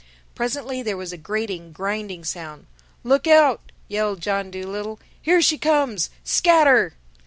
Presently there was a grating, grinding sound. "Look out!" yelled John Dolittle, "here she comes!—Scatter!"